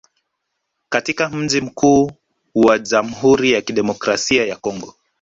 katika mji mkuu wa Jamhuri ya Kidemokrasia ya Kongo